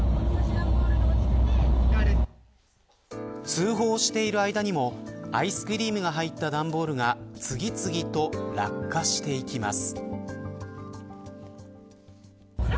通報している間にもアイスクリームが入った段ボールが次々と落下していきます。